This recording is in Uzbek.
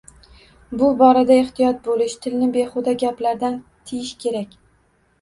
Bu borada ehtiyot bo‘lish, tilni behuda gaplardan tiyish kerak.